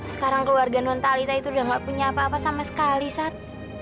sekarang keluarga non talita itu udah gak punya apa apa sama sekali saat